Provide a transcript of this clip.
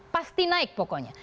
pasti naik pokoknya